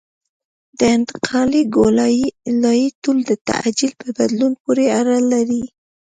د انتقالي ګولایي طول د تعجیل په بدلون پورې اړه لري